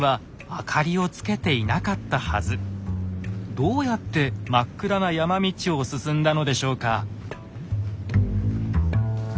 どうやって真っ暗な山道を進んだのでしょうか？